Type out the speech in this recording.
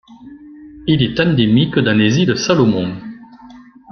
Il est endémique dans les îles Salomon.